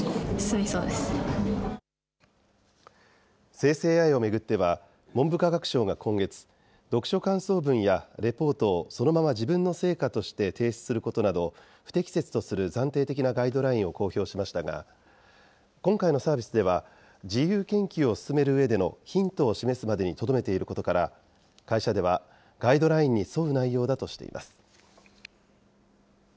生成ＡＩを巡っては、文部科学省が今月、読書感想文やレポートをそのまま自分の成果として提出することなど、不適切とする暫定的なガイドラインを公表しましたが、今回のサービスでは、自由研究を進めるうえでのヒントを示すまでにとどめていることから、会社では、ガイドラインに沿う内容だとしています。